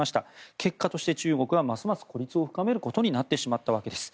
結果として中国はますます孤立を深めることになってしまったわけです。